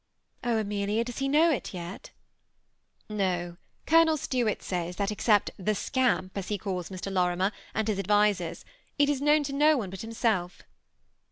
Oh, Amelia, does he know it yet ?" ^'No, Colonel Stuart says that except ^the scamp, as he calls Mr. Lorimer, and his advisers, it is known to no one but himself."